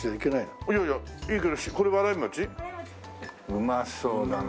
うまそうだな。